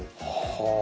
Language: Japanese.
はあ。